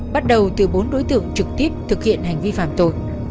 bắt đầu từ bốn đối tượng trực tiếp thực hiện hành vi phạm tội